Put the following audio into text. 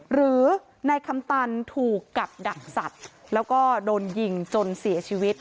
หรือนายคำตันถูกกับดักสัตว์แล้วก็โดนยิงจนเสียชีวิต